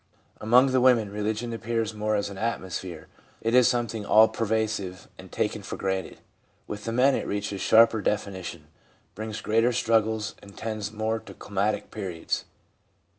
Among the women religion appears more as an atmosphere ; it is something all pervasive and taken for granted. With the men it reaches sharper definition, brings greater struggles, and tends more to climacteric periods.